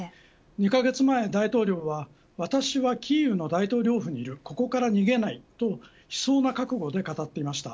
２カ月前、大統領は私はキーウの大統領府にいるここから逃げないと悲壮な覚悟で語っていました。